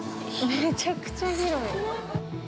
めちゃくちゃ広い。